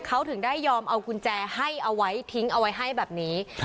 เขาถึงได้ยอมเอากุญแจให้เอาไว้ทิ้งเอาไว้ให้แบบนี้